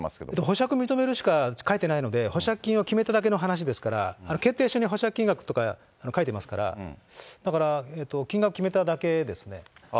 保釈認めるしか書いてないので、保釈金を決めただけの話ですので、保釈金額とか書いていますから、だから金額決めただけですね。